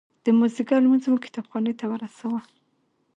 د مازدیګر لمونځ مو د کتاب خانې ته ورساوه.